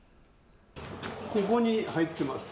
ここに入っています。